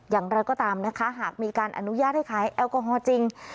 อย่างไรก็ตามนะคะหากมีการอนุญาตให้ขายแอลกอฮอล์จริง